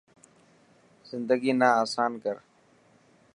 زندگي نا آسان ڪر.